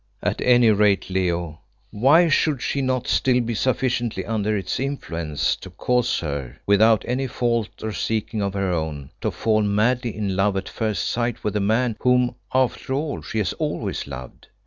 "At any rate, Leo, why should she not still be sufficiently under its influence to cause her, without any fault or seeking of her own, to fall madly in love at first sight with a man whom, after all, she has always loved?"